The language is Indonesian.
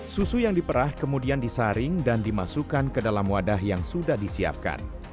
susu yang diperah kemudian disaring dan dimasukkan ke dalam wadah yang sudah disiapkan